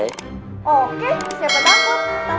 siapa dapet tantangan apa